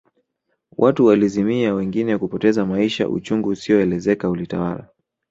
Watu walizimia wengine kupoteza maisha uchungu usioelezeka ulitawala